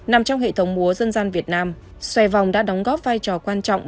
nằm trong hệ thống múa dân gian việt nam xoay vòng đã đóng góp vai trò quan trọng